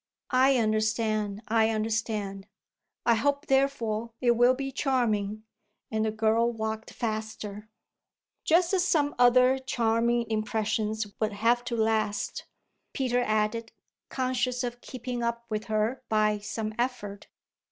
"I understand I understand. I hope therefore it will be charming." And the girl walked faster. "Just as some other charming impressions will have to last," Peter added, conscious of keeping up with her by some effort.